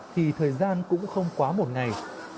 thì thời gian cũng không quá một ngày